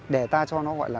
để ta cho nó gọi là